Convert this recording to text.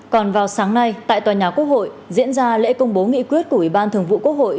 còn vào sáng nay tại tòa nhà quốc hội diễn ra lễ công bố nghị quyết của ủy ban thường vụ quốc hội